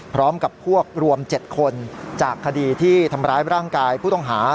พร้อมกับพวกรวม๗คนจากคดีที่ทำร้ายร่างกายผู้ต้องหา